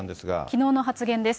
きのうの発言です。